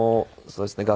そうですか。